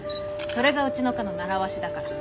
それがうちの課の習わしだから。